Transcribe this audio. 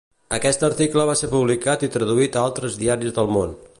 Aquest article va ser publicat i traduït a altres diaris del món.